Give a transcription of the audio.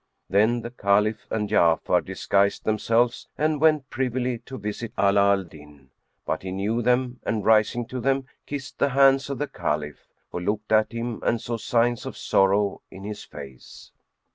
Then the Caliph and Ja'afar disguised themselves and went privily to visit Ala al Din; but he knew them and rising to them kissed the hands of the Caliph, who looked at him and saw signs of sorrow in his face.